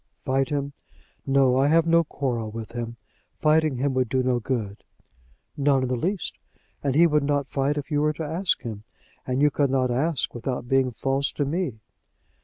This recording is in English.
"Fight him! No; I have no quarrel with him. Fighting him would do no good." "None in the least; and he would not fight if you were to ask him; and you could not ask him without being false to me."